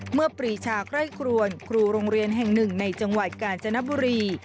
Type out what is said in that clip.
ปรีชาไคร่ครวนครูโรงเรียนแห่งหนึ่งในจังหวัดกาญจนบุรี